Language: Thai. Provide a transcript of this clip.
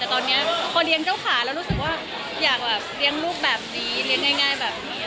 แต่ตอนนี้พอเลี้ยงเจ้าขาแล้วรู้สึกว่าอยากเลี้ยงลูกแบบนี้เลี้ยงง่ายแบบนี้